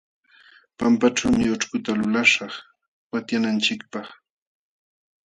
Pampaćhuumi ućhkuta lulaśhaq watyananchikpaq.